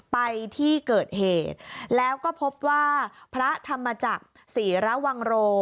ไปที่เกิดเหตุแล้วก็พบว่าพระธรรมจักรศรีระวังโร